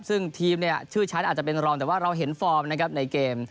ซึ่งทีมชื่อชั้นอาจจะเป็นรองแต่ว่าเราเห็นฟอร์มในเกม